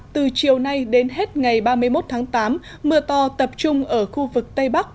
từ chiều nay đến hết ngày ba mươi một tháng tám mưa to tập trung ở khu vực tây bắc